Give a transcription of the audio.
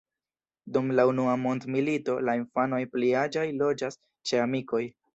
Dum la Unua mondmilito la infanoj pli aĝaj loĝas ĉe amikoj.